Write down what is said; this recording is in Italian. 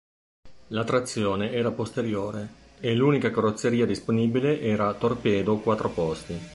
La trazione era posteriore, e l'unica carrozzeria disponibile era torpedo quattro posti.